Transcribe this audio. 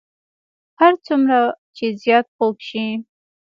هر څومره چې زیات خوږ شي.